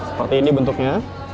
seperti ini bentuknya